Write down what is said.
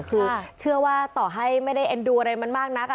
คือเชื่อว่าต่อให้ไม่ได้เอ็นดูอะไรมันมากนัก